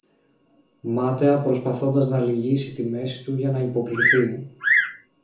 μάταια προσπαθώντας να λυγίσει τη μέση του για να υποκλιθεί.